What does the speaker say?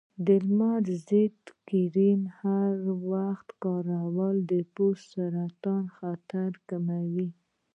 د لمر ضد کریم هر وخت کارول د پوستکي د سرطان خطر کموي.